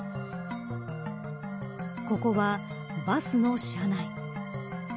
ここは、バスの車内。